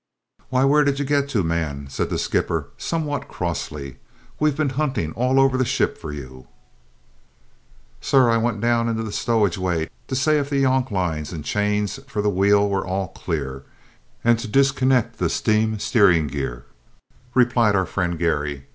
"Why, where did you get to, man?" said the skipper, somewhat crossly. "We've been hunting all over the ship for you!" "Sure, I wint down into the stowage to say if the yolklines and chains for the wheel were all clear, and to disconnect the shtame stayrin' gear," replied our friend Garry.